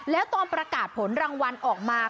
แล้วตอนประกาศผลรางวัลออกมา